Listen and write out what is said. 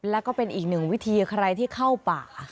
แล้วก็เป็นอีกหนึ่งวิธีใครที่เข้าป่า